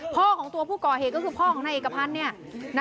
พ่อของตัวผู้ก่อเหตุก็คือพ่อของนายเอกพันธ์